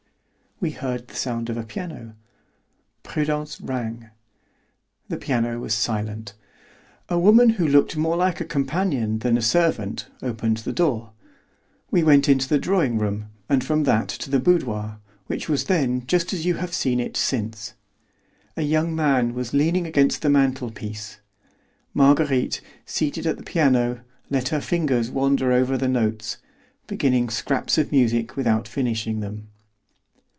We heard the sound of a piano. Prudence rang. The piano was silent. A woman who looked more like a companion than a servant opened the door. We went into the drawing room, and from that to the boudoir, which was then just as you have seen it since. A young man was leaning against the mantel piece. Marguerite, seated at the piano, let her fingers wander over the notes, beginning scraps of music without finishing them.